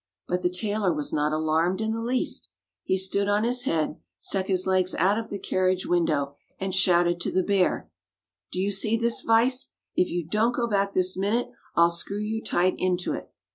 But the tailor was not alarmed in the least. He stood on his head, stuck his legs out of the carriage window, and shouted to the bear: "Do you see this vise? If you don't go back this minute I'll screw you tight into it."